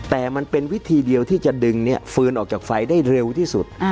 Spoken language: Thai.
แต่มันเป็นวิธีเดียวที่จะดึงฟืนออกจากไฟได้เร็วที่สุด